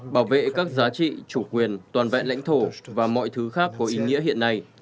bảo vệ các giá trị chủ quyền toàn vẹn lãnh thổ và mọi thứ khác có ý nghĩa hiện nay